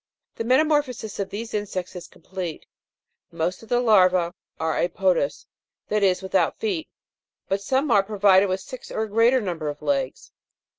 2. The metamorphosis of these insects is complete ; most of the larvse are apodous, that is, without feet ; but some are pro vided with six or a greater number of legs.